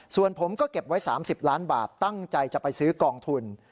ส่วนผมก็เก็บไว้๓๐ล้านบาทตั้งใจจะไปซื้อกองทุน